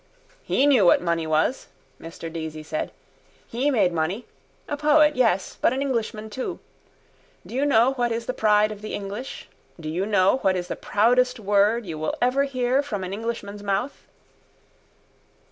—He knew what money was, Mr Deasy said. He made money. A poet, yes, but an Englishman too. Do you know what is the pride of the English? Do you know what is the proudest word you will ever hear from an Englishman's mouth?